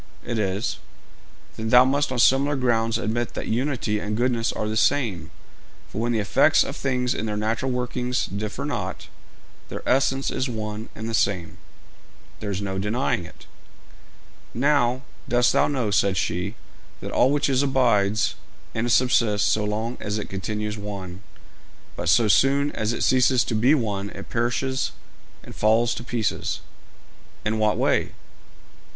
'It is.' 'Then, thou must on similar grounds admit that unity and goodness are the same; for when the effects of things in their natural working differ not, their essence is one and the same.' 'There is no denying it.' 'Now, dost thou know,' said she, 'that all which is abides and subsists so long as it continues one, but so soon as it ceases to be one it perishes and falls to pieces?' 'In what way?'